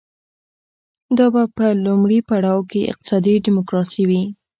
دا به په لومړي پړاو کې اقتصادي ډیموکراسي وي.